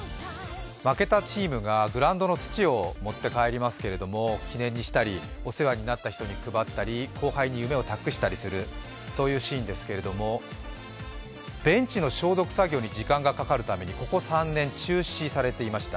負けたチームがグラウンドの土を持って帰りますけど記念にしたりお世話になった人に配ったり後輩に夢を託したりする、そういうシーンですけれどもベンチの消毒作業に時間がかかるためにここ３年、中止されていました。